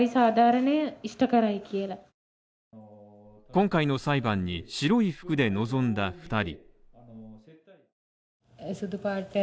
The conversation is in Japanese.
今回の裁判に白い服で臨んだ２人。